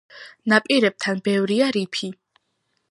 ნაპირებთან ბევრია რიფი.